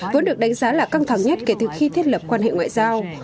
vốn được đánh giá là căng thẳng nhất kể từ khi thiết lập quan hệ ngoại giao